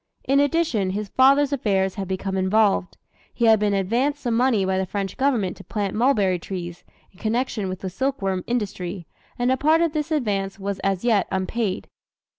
In addition, his father's affairs had become involved. He had been advanced some money by the French Government to plant mulberry trees, in connection with the silk worm industry, and a part of this advance was as yet unpaid.